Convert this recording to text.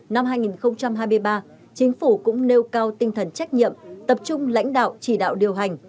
năm hai nghìn hai mươi ba chính phủ cũng nêu cao tinh thần trách nhiệm tập trung lãnh đạo chỉ đạo điều hành